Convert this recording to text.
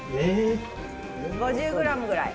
５０グラムぐらい。